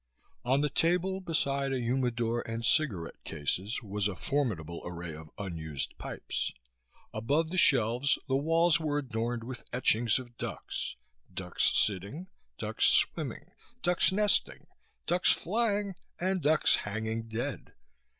On the table, beside a humidor and cigarette cases, was a formidable array of unused pipes. Above the shelves, the walls were adorned with etchings of ducks: ducks sitting, ducks swimming, ducks nesting, ducks flying and ducks hanging dead.